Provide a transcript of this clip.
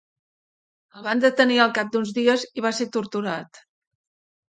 El van detenir al cap d'uns dies i va ser torturat.